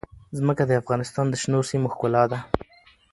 ځمکه د افغانستان د شنو سیمو ښکلا ده.